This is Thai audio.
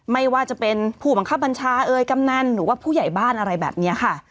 ไม่ว่าจะเป็นผู้บังคับบัญชาเอ่ยกำนันหรือว่าผู้ใหญ่บ้านอะไรแบบนี้ค่ะ